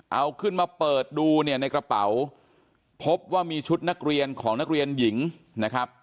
เอาขึ้นมาเปิดดูเนี่ยในกระเป๋าพบว่ามีชุดนักเรียนของนักเรียนหญิงนะครับ